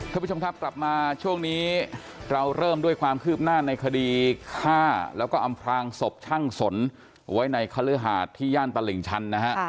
ท่านผู้ชมครับกลับมาช่วงนี้เราเริ่มด้วยความคืบหน้าในคดีฆ่าแล้วก็อำพลางศพช่างสนไว้ในคฤหาดที่ย่านตลิ่งชันนะฮะ